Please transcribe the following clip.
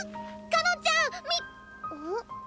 かのんちゃん見ん？